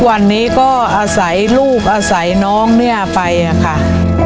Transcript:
วันนี้ก็อาศัยลูกอาศัยน้องเนี่ยไปค่ะ